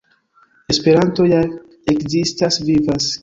Esperanto ja ekzistas, vivas.